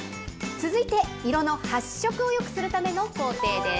続いて、色の発色をよくするための工程です。